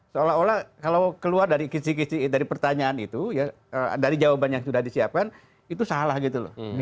seolah olah kalau keluar dari kisi kisi dari pertanyaan itu ya dari jawaban yang sudah disiapkan itu salah gitu loh